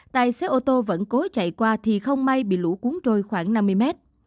tại xe ô tô vẫn cố chạy qua thì không may bị lũ cuốn trôi khoảng năm mươi mét